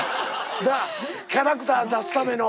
キャラクター出すための。